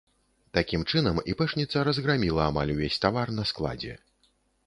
Такім чынам іпэшніца разграміла амаль увесь тавар на складзе.